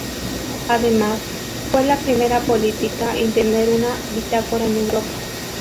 Además, fue la primera política en tener una bitácora en Europa.